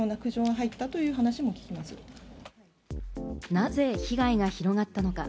なぜ被害が広がったのか？